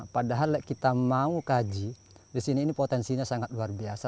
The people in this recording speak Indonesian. padahal kita mau kaji di sini ini potensinya sangat luar biasa